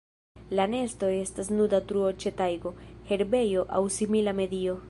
La nesto estas nuda truo ĉe tajgo, herbejo aŭ simila medio.